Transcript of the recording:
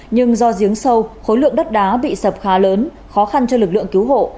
nhưng do giếng sâu khối lượng đất đá bị sập khá lớn khó khăn cho lực lượng cứu hộ